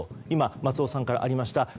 今、松尾さんからありました